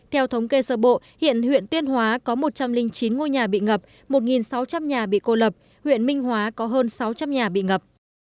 theo thống kê sơ bộ hiện huyện tuyên hóa có một trăm linh chín ngôi nhà bị ngập một sáu trăm linh nhà bị cô lập huyện minh hóa có hơn sáu trăm linh nhà bị ngập